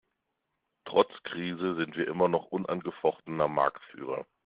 Trotz Krise sind wir immer noch unangefochtener Marktführer.